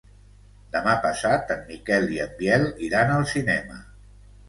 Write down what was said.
Demà passat en Miquel i en Biel iran al cinema.